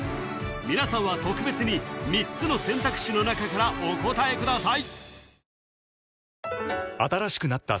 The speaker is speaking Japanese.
皆さんは特別に３つの選択肢の中からお答えください